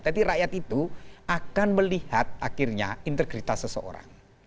tapi rakyat itu akan melihat akhirnya integritas seseorang